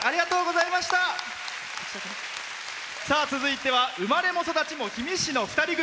続いては生まれも育ちも氷見市の２人組。